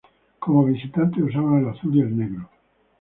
Como visitantes usaban el azul y el negro.